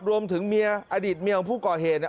รวมถึงเมียอดีตเมียของผู้ก่อเหตุ